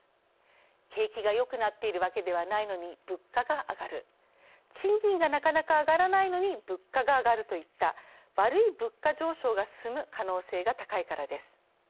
「景気が良くなっているわけではないのに物価が上がる」「賃金がなかなか上がらないのに物価が上がる」といった「悪い物価上昇」が進む可能性が高いからです。